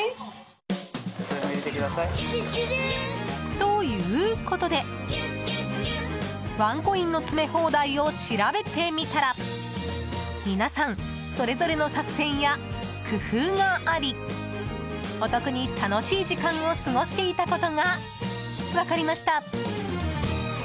ということで、ワンコインの詰め放題を調べてみたら皆さん、それぞれの作戦や工夫がありお得に楽しい時間を過ごしていたことが分かりました。